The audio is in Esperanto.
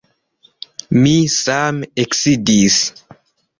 Mi same eksidis.